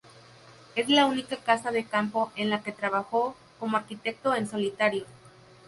Es la única casa de campo en la que trabajó como arquitecto en solitario.